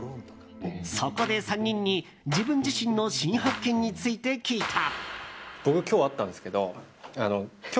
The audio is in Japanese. そこで３人に自分自身の新発見について聞いた。